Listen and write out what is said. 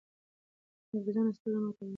انګرېزانو ستره ماته وخوړه.